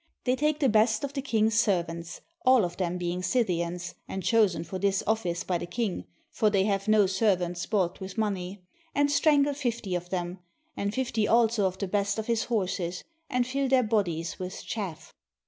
They take the best of the king's servants, all of them be ing Scythians, and chosen for this office by the king, for they have no servants bought with money, and strangle 20 CUSTOMS OF THE SCYTHIANS fifty of them, and fifty also of the best of his horses, and fill their bodies with chaff.